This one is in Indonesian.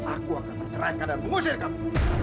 aku akan menceraikan dan mengusir kamu